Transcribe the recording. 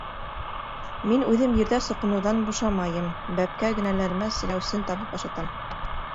—Мин үҙем ерҙә соҡоноуҙан бушамайым, бәпкә генәләремә селәүсен табып ашатам.